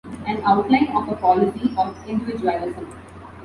An outline of a policy of individualism.